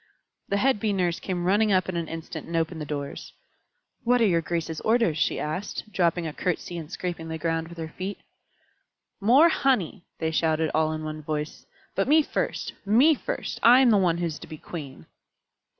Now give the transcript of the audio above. The head Bee Nurse came running up in an instant and opened the doors. "What are your graces' orders?" she asked, dropping a curtsy and scraping the ground with her feet. "More honey!" they shouted, all in one voice. "But me first me first. I am the one who is to be queen."